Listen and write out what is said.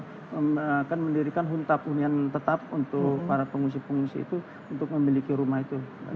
kita akan mendirikan huntap hunian tetap untuk para pengungsi pengungsi itu untuk memiliki rumah itu